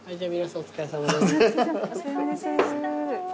お疲れさまでした。